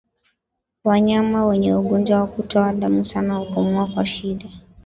Wanyama wenye ugonjwa wa kutoka damu sana hupumua kwa shida